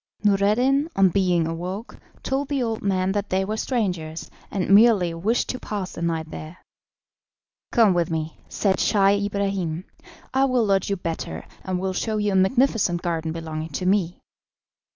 Noureddin, on being awoke, told the old man that they were strangers, and merely wished to pass the night there. "Come with me," said Scheih Ibrahim, "I will lodge you better, and will show you a magnificent garden belonging to me."